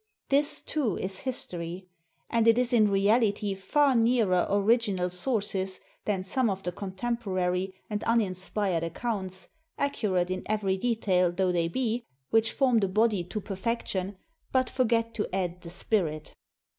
This, too, is history; and it is in reality far nearer "original sources" than some of the contemporary and uninspired accounts, accurate in every detail though they be, which form the body to perfection, but forget to add the spirit.